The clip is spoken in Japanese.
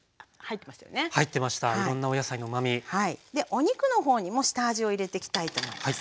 お肉のほうにも下味を入れていきたいと思います。